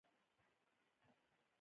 احمد او علي بدلک وهلی دی.